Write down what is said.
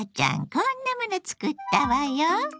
こんなもの作ったわよ。